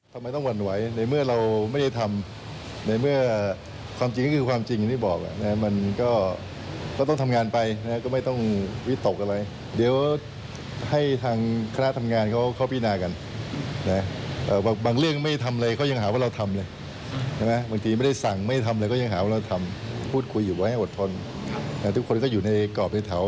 พูดคุยอยู่ไว้ให้อดทนทุกคนก็อยู่ในกรอบในเถา